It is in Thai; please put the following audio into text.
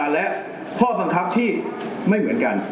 และข้อบังคับที่ไม่เหมือนกัน